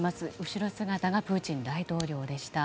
後ろ姿がプーチン大統領でした。